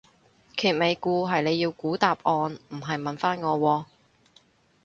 揭尾故係你要估答案唔係問返我喎